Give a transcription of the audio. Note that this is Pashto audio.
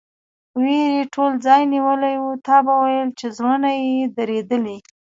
وېرې ټول ځای نیولی و، تا به ویل چې زړونه یې درېدلي.